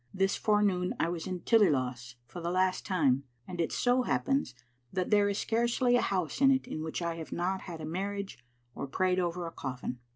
This forenoon I was in Tillyloss, for the last time, and it so happens that there is scarcely a house in it in which I have not had a mar riage or prayed over a coffin.